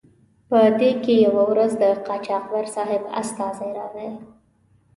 په دې کې یوه ورځ د قاچاقبر صاحب استازی راغی.